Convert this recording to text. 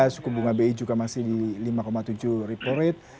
suku bunga bi juga masih di lima tujuh repo rate